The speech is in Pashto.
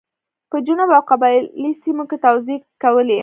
په جنوب او قبایلي سیمو کې توزېع کولې.